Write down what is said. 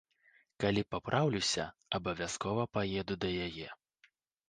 Калі папраўлюся, абавязкова паеду да яе.